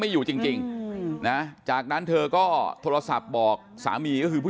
อยู่จริงนะจากนั้นเธอก็โทรศัพท์บอกสามีก็คือผู้